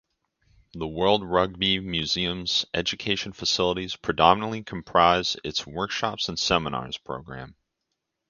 The World Rugby Museum's education facilities predominantly comprise its 'Workshops and Seminars' programme.